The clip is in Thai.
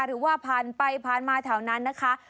หรือว่าผ่านไปผ่านมาแถวนั้นนะคะ